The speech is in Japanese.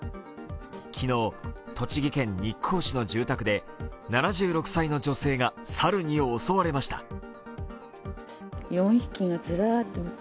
昨日、栃木県日光市の住宅で７６歳の女性が猿に襲われました。